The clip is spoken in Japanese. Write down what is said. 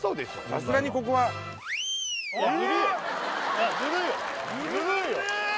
さすがにここはあー！